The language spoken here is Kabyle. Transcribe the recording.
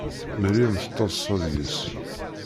Meryem tettaḍsa deg-s.